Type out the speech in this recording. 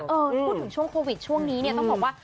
พูดถึงช่วงโควิดช่วงนี้เนี่ยต้องบอกว่า